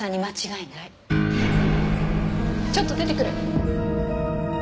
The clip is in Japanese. ちょっと出てくる。